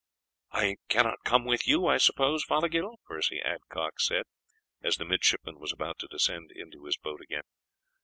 "I cannot come with you, I suppose, Fothergill?" Percy Adcock said, as the midshipman was about to descend into his boat again.